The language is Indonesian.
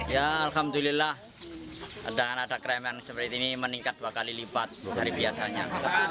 ya alhamdulillah dengan ada kremen seperti ini meningkat dua kali lipat dari biasanya